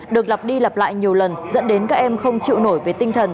được lặp đi lặp lại nhiều lần dẫn đến các em không chịu nổi về tinh thần